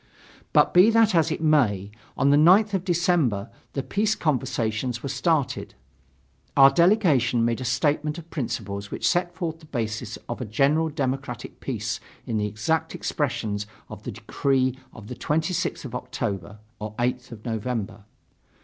But be that as it may, on the 9th of December the peace conversations were started. Our delegation made a statement of principles which set forth the basis of a general democratic peace in the exact expressions of the decree of the 26th of October (8th of November).